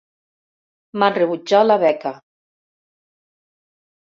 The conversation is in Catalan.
M'han rebutjat la beca.